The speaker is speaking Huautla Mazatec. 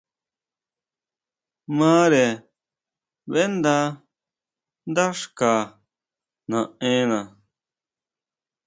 Mare ʼbeʼnda dá xka naʼena.